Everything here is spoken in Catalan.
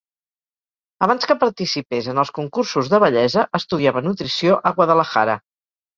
Abans que participés en els concursos de bellesa estudiava nutrició a Guadalajara.